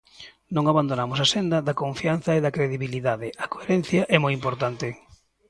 Non abandonamos a senda da confianza e da credibilidade, a coherencia é moi importante.